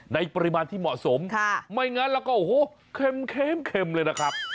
ในปริมาณที่เหมาะสมไม่งั้นแล้วก็โอ้โหเค็มเลยนะครับ